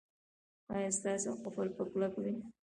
ایا ستاسو قفل به کلک وي؟